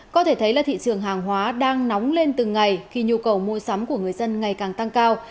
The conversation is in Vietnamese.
có thể thấy là thị trường hàng hóa đang nóng lên từng ngày khi nhu cầu mua sắm của người dân ngày càng tăng cao